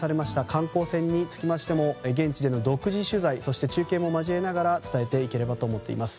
観光船につきましても現地での独自取材そして中継も交えながら伝えていければと思います。